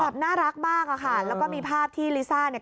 น่ารักมากอะค่ะแล้วก็มีภาพที่ลิซ่าเนี่ย